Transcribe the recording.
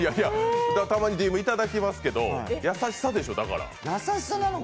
たまにＤＭいただきますけど優しさでしょ。